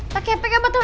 pak kepeknya betul